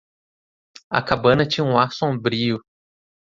A cabana tinha um ar sombrio.